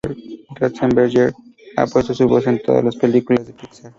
Ratzenberger ha puesto su voz en todas las películas de Pixar.